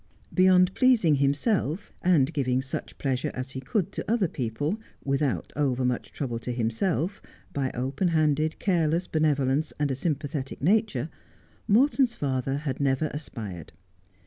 Beyond pleasing himself and giving such pleasure as he could to other people, without over much trouble to himself, by open handed, careless benevolence, and a sympathetic nature, Morton's father had never aspired.